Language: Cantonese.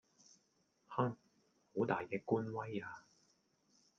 哼,好大嘅官威呀!